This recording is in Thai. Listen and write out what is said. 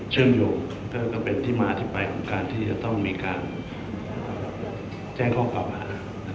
เชิงโยงก็เป็นที่มาที่ไปของการที่จะต้องมีการแจ้งข้อปรับนะครับ